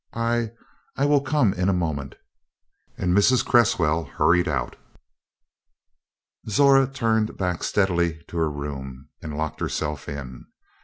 "I I will come in a moment." And Mrs. Cresswell hurried out. Zora turned back steadily to her room, and locked herself in.